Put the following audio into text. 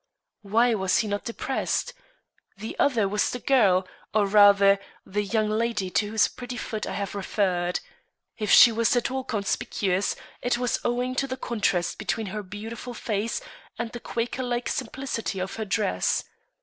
Why was he not depressed? The other was the girl, or, rather, the young lady to whose pretty foot I have referred. If she was at all conspicuous, it was owing to the contrast between her beautiful face and the Quaker like simplicity of her dress.